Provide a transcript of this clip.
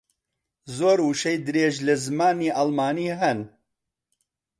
زۆر وشەی درێژ لە زمانی ئەڵمانی ھەن.